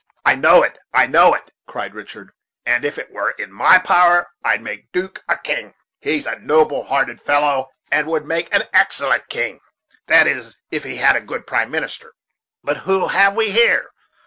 "I know it, I know it," cried Richard; "and if it were in my power, I'd make 'Duke a king. He is a noble hearted fellow, and would make an excellent king; that is, if he had a good prime minister. But who have we here?